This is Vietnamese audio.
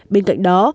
bên cạnh đó